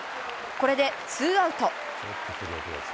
これでツーアウト。